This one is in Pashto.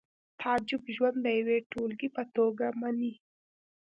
تعجب ژوند د یوې ټولګې په توګه مني